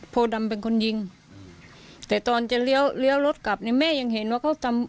โพดำเป็นคนยิงแต่ตอนจะเลี้ยวเลี้ยวรถกลับเนี่ยแม่ยังเห็นว่าเขาทำ